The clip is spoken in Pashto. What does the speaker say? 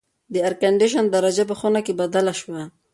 د اېرکنډیشن درجه په خونه کې بدله شوه.